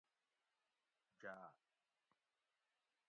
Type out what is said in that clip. جاۤ